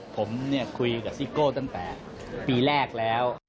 ผมคุยกับซิโก้ตั้งแต่ปีแรกแล้ว